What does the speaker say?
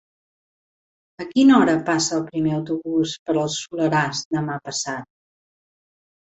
A quina hora passa el primer autobús per el Soleràs demà passat?